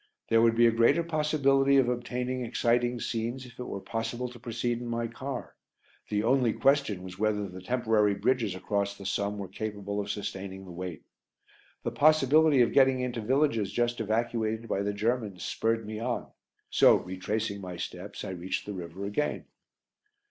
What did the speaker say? There would be a greater possibility of obtaining exciting scenes if it were possible to proceed in my car; the only question was whether the temporary bridges across the Somme were capable of sustaining the weight. The possibility of getting into villages just evacuated by the Germans spurred me on, so retracing my steps, I reached the river again.